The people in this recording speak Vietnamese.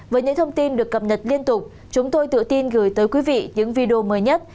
với những thông tin được cập nhật liên tục chúng tôi tự tin gửi tới quý vị những video mới nhất